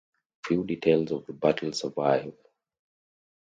Few details of the battle survive.